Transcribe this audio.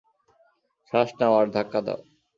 শ্বাস নাও, আর ধাক্কা দাও।